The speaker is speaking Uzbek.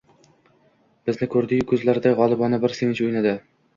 Bizni koʻrdi-yu, koʻzlarida gʻolibona bir sevinch oʻynadi: